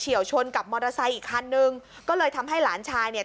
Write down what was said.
ชนกับมอเตอร์ไซค์อีกคันนึงก็เลยทำให้หลานชายเนี่ย